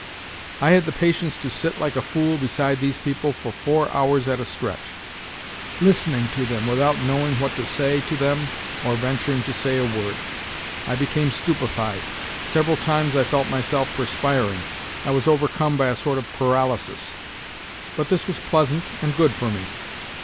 I had the patience to sit like a fool beside these people for four hours at a stretch, listening to them without knowing what to say to them or venturing to say a word. I became stupified, several times I felt myself perspiring, I was overcome by a sort of paralysis ; but this was pleasant and good for me.